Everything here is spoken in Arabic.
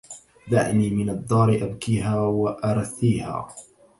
دعني من الدار أبكيها وأرثيها